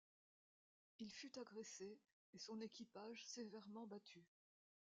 Il fut agressé et son équipage sévèrement battu.